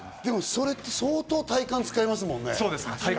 それって相当、体幹使いますもんね。